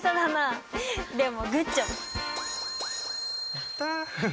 やった！